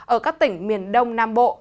ở các tỉnh miền đông nam bộ